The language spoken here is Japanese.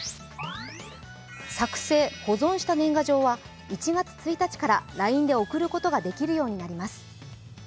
作成、保存した年賀状は１月１日からＬＩＮＥで送ることができるようになります。